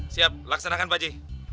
siap laksanakan pak haji